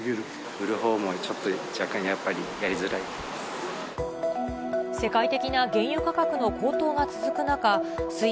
売る方もちょっと、若干やっぱりやりづらい。